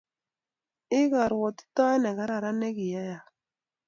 I karuatitaet ne karakaran ni ki ai ak